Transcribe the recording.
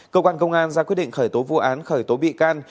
cơ quan công an ra quyết định khởi tố vụ án khởi tố bị can